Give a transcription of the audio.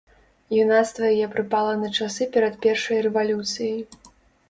Юнацтва яе прыпала на часы перад першай рэвалюцыяй.